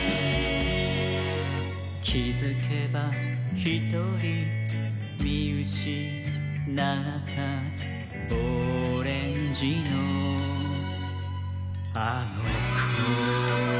「きづけばひとりみうしなった」「オレンジのあのこ」